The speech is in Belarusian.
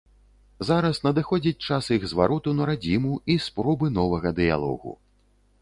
Зараз надыходзіць час іх звароту на радзіму і спробы новага дыялогу.